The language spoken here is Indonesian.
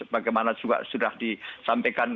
bagaimana juga sudah disampaikan